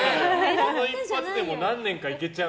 その一発で何年かいけちゃう。